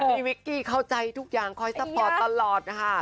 วิกกี้เข้าใจทุกอย่างคอยซัพพอร์ตตลอดนะคะ